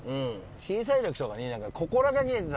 小さい時とかに。